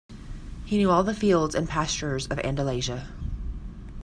He knew all the fields and pastures of Andalusia.